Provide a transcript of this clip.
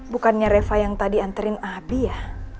bukannya reva yang tadi anterin abi ya